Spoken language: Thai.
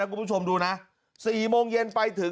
การนอนไม่จำเป็นต้องมีอะไรกัน